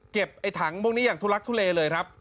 ไอ้ถังพวกนี้อย่างทุลักทุเลเลยครับ